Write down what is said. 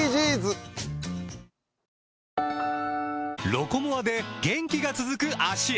「ロコモア」で元気が続く脚へ！